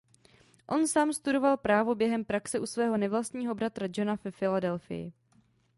On sám studoval právo během praxe u svého nevlastního bratra Johna ve Philadelphii.